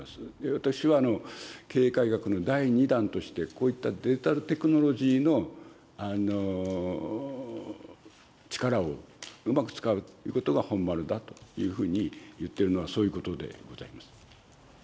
私は、経営改革の第２弾として、こういったデジタルテクノロジーの力をうまく使うということが本丸だというふうに言っているのは、そういうことでございます。